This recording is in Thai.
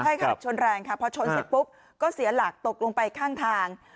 ใช่ค่ะชนแรงค่ะพอชนเสร็จปุ๊บก็เสียหลักตกลงไปข้างทาง